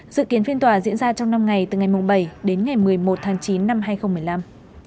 dự kiến phiên tòa diễn ra trong năm ngày từ ngày bảy đến ngày một mươi một tháng chín năm hai nghìn một mươi năm